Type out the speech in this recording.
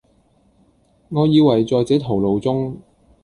我以爲在這途路中，